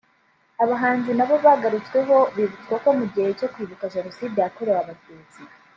Abahanzi nabo bagarutsweho bibutswa ko mu gihe cyo kwibuka Jenoside yakorewe Abatutsi